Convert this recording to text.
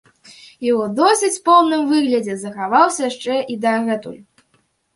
І ў досыць поўным выглядзе захаваўся яшчэ і дагэтуль.